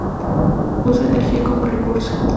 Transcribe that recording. Usa energía como recurso.